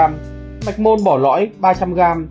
mạch môn bỏ lõi ba trăm linh g